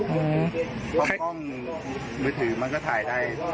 พอมองมือถือมันก็ถ่ายได้